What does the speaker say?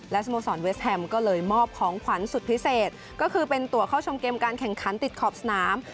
สโมสรเวสแฮมก็เลยมอบของขวัญสุดพิเศษก็คือเป็นตัวเข้าชมเกมการแข่งขันติดขอบสนาม